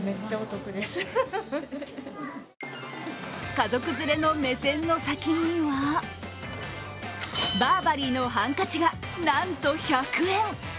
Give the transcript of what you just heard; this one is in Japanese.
家族連れの目線の先には、バーバリーのハンカチがなんと１００円。